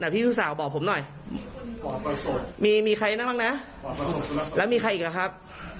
พี่ผู้สาวบอกผมหน่อยมีใครนั่นบ้างนะแล้วมีใครอีกครับ